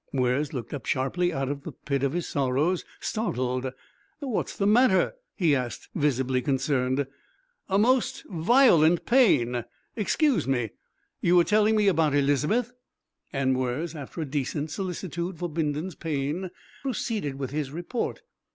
Mwres looked up sharply out of the pit of his sorrows, startled. "What's the matter?" he asked, visibly concerned. "A most violent pain. Excuse me! You were telling me about Elizabeth." And Mwres, after a decent solicitude for Bindon's pain, proceeded with his report.